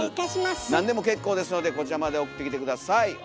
なんでも結構ですのでこちらまで送ってきて下さい。